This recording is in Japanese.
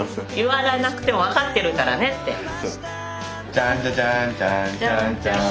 ちゃんちゃちゃんちゃんちゃんちゃん。